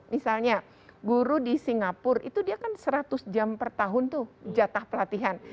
misalnya guru di singapura itu dia kan seratus jam per tahun tuh jatah pelatihan